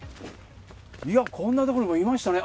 いや、こんなところにもいましたね。